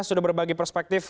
sudah berbagi perspektif